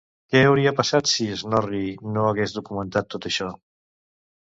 Què hauria passat si Snorri no hagués documentat tot això?